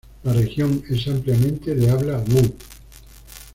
La región es ampliamente de habla Wu.